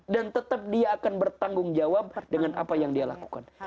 dan tetap dia akan bertanggung jawab dengan apa yang dia lakukan